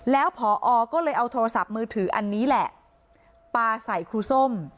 แล้วพอก็เลยเอาโทรศัพท์มือถืออันนี้แหละปลาใส่ครูส้ม